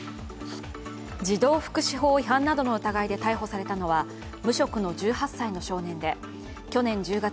児童福祉法違反などの疑いで逮捕されたのは無職の１８歳の少年で、去年１０月、